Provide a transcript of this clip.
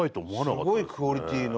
すごいクオリティーの。